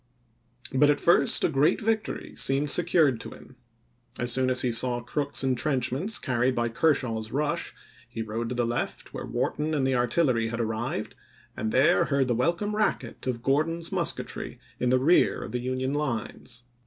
But at first a great victory seemed secured to him. As soon as he saw Crook's intrenchments carried by Kershaw's rush, he rode to the left, where Wharton and the artillery had arrived, and there heard the welcome racket of Gordon's mus ketry in the rear of the Union lines.